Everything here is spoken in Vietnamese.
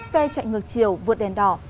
xe chạy ngược chiều vượt đèn đỏ